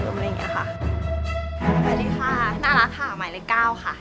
สวัสดีค่ะน่ารักค่ะหมายเรื่องก้าวค่ะ